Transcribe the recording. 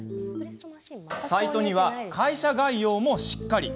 サイトには会社概要もしっかり。